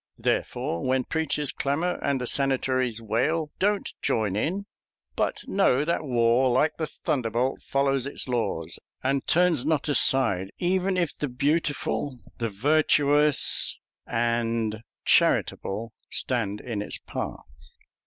Therefore, when preachers clamor and the sanitaries wail, don't join in, but know that war, like the thunderbolt, follows its laws, and turns not aside even if the beautiful, the virtuous, and charitable stand in its path.